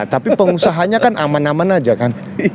tapi pengusahanya kan aman aman aja kan